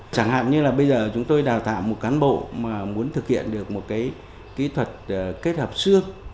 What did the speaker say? chẳng hạn như là bây giờ chúng tôi đào tạo một cán bộ mà muốn thực hiện được một cái kỹ thuật kết hợp xước